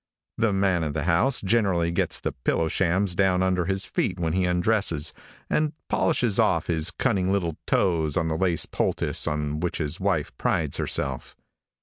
The man of the house generally gets the pillow shams down under his feet when he undresses and polishes off his cunning little toes on the lace poultice on which his wife prides herself.